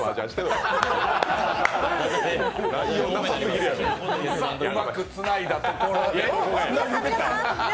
さぁ、うまくつないだところで。